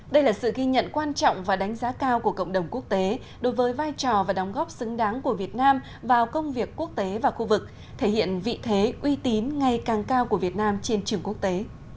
đây là sự ghi nhận quan trọng và đánh giá cao của cộng đồng quốc tế đối với vai trò và đóng góp xứng đáng của việt nam vào công việc quốc tế và khu vực thể hiện vị thế uy tín ngày càng cao của việt nam trên trường quốc tế